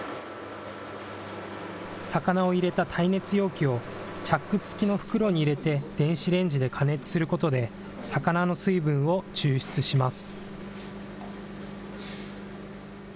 魚を入れた耐熱容器を、チャック付きの袋に入れて電子レンジで加熱することで、魚の水分を抽出します。